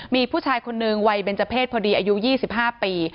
มีผู้ชายคนนึงวัยเบนเจอร์เพศพอดีอายุ๒๕ปี